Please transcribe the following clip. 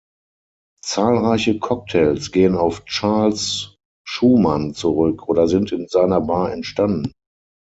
Zahlreiche Cocktails gehen auf Charles Schumann zurück oder sind in seiner Bar entstanden.